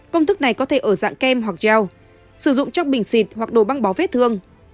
công thức này có thể ở dạng kem hoặc treo sử dụng trong bình xịt hoặc đồ băng bó vết thương